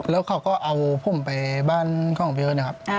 แล้วเขาก็เอาผมไปบ้านของพี่เอิร์ทนะครับ